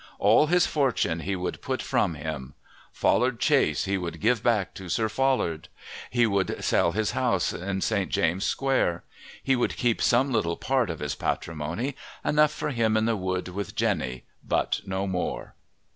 All his fortune he would put from him. Follard Chase he would give back to Sir Follard. He would sell his house in St. James's Square. He would keep some little part of his patrimony, enough for him in the wood with Jenny, but no more.